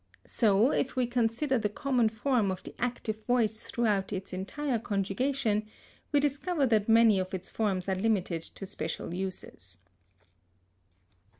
So, if we consider the common form of the active voice throughout its entire conjugation, we discover that many of its forms are limited to special uses.